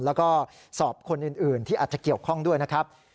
แล้วก็สอบคนอื่นที่อาจจะเกี่ยวข้องด้วยนะครับ